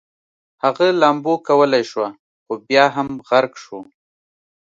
هغه لامبو کولی شوه خو بیا هم غرق شو